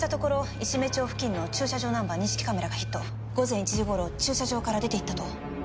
石目町付近の駐車場ナンバー認識カメラがヒット午前１時頃駐車場から出て行ったと。